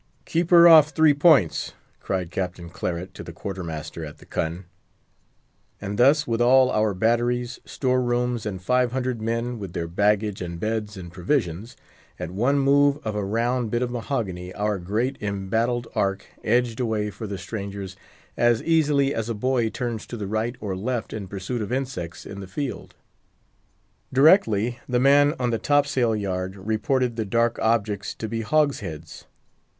"Keep her off three points!" cried Captain Claret, to the quarter master at the cun. And thus, with all our batteries, store rooms, and five hundred men, with their baggage, and beds, and provisions, at one move of a round bit of mahogany, our great embattled ark edged away for the strangers, as easily as a boy turns to the right or left in pursuit of insects in the field. Directly the man on the top sail yard reported the dark objects to be hogsheads.